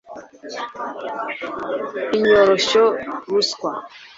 inyoroshyo ruswa